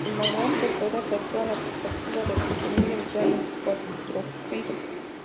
El mármol del suelo acentúa la perspectiva, recurso muy habitual en el Quattrocento.